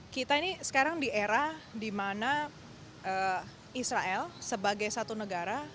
kita ini sekarang di era di mana israel sebagai satu negara